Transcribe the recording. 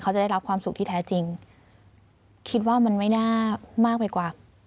จะได้รับความสุขที่แท้จริงคิดว่ามันไม่น่ามากไปกว่า